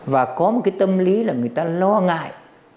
và có một cái tâm lý là người ta lo ngại